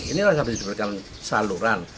ini harus diberikan saluran